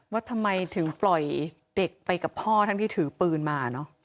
ว่าทำไมถึงปล่อยเด็กไปกับพ่อทั้งที่ถือปืนมาเนอะ